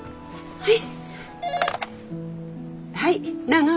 はい。